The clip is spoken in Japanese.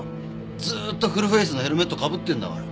ずーっとフルフェイスのヘルメットかぶってんだから。